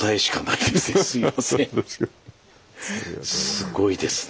すごいですね。